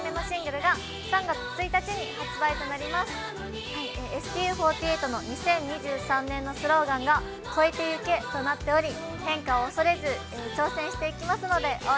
ＳＴＵ４８のＳＴＵ４８の２０２３年のスローガンが、「超えてゆけ」となっており、変化を恐れず変化を恐れず挑戦していきますので応援